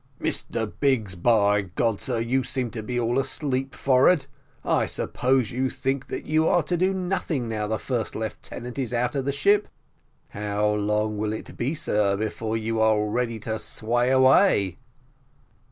"Mr Biggs by God, sir, you seem to be all asleep forward; I suppose you think that you are to do nothing, now the first lieutenant is out of the ship? How long will it be, sir, before you are ready to sway away?"